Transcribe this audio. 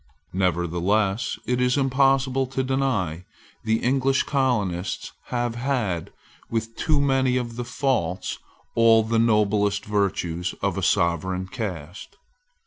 Nevertheless it is impossible to deny that the English colonists have had, with too many of the faults, all the noblest virtues of a sovereign caste.